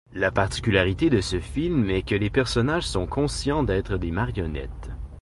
La particularité de ce film est que les personnages sont conscients d'être des marionnettes.